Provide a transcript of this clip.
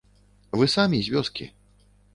Вы самі з вёскі.